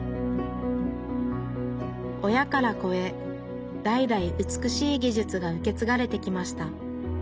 親から子へ代々美しい技術が受け継がれてきました。